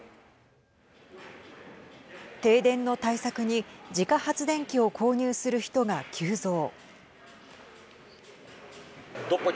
停電の対策に自家発電機を購入する人が急増。